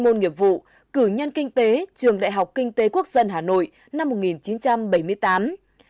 môn nghiệp vụ cử nhân kinh tế trường đại học kinh tế quốc dân hà nội năm một nghìn chín trăm bảy mươi tám